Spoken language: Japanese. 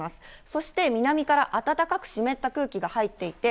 そして南から暖かく湿った空気が入っていて、